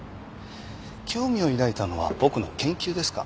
興味を抱いたのは僕の研究ですか？